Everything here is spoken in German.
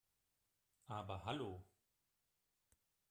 Aber hallo!